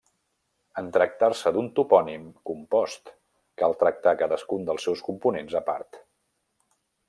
En tractar-se d'un topònim compost, cal tractar cadascun dels seus components a part.